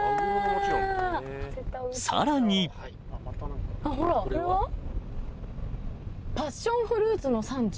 さらに「パッションフルーツの産地」。